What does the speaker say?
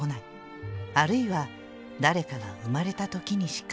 あるいは誰かが生まれた時にしか」。